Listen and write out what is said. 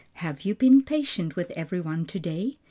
"Have you been patient with every one to day?"